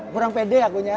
kurang pede akunya